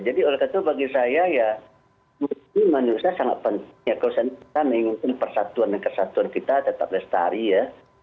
jadi oleh itu bagi saya ya menurut saya sangat penting ya kalau saya ingin persatuan dan kesatuan kita tetap bersehari ya